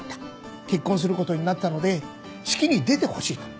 結婚することになったので式に出てほしいと。